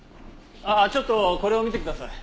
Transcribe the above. あっちょっとこれを見てください。